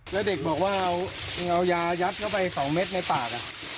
แล้วเด็กบอกว่าเอายายัดเข้าไป๒เม็ดในปาก